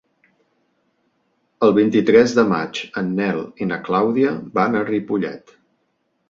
El vint-i-tres de maig en Nel i na Clàudia van a Ripollet.